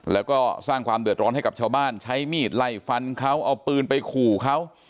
แล้วก็สร้างความเดือดร้อนให้กับชาวบ้านใช้มีดไล่ฟันเขาเอาปืนไปขู่เขา